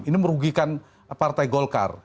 ini merugikan partai golkar